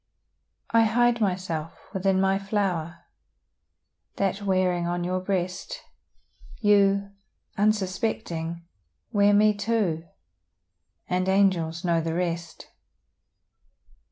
I hide myself within my flower, That wearing on your breast, You, unsuspecting, wear me too And angels know the rest.